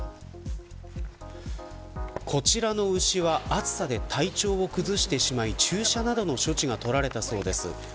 こちらの牛は暑さで体調を崩してしまい注射などの措置が取られたそうです。